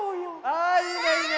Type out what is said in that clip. あいいねいいね！